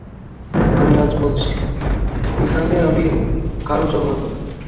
আমি আজ বলছি, এখানে আমি কারো জোর মানব না।